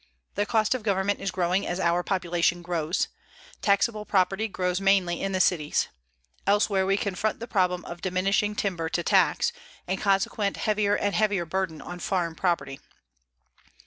The cost of government is growing as our population grows. Taxable property grows mainly in the cities. Elsewhere we confront the problem of diminishing timber to tax and consequent heavier and heavier burden on farm property.